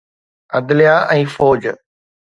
عدليه ۽ فوج.